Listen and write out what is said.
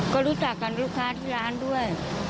ก็รู้จักกับลูกค้าที่ร้านด้วย